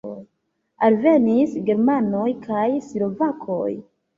Alvenis germanoj kaj slovakoj.